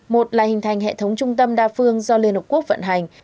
một là hình thành hệ thống trung tâm đa phương do liên hợp quốc vận hành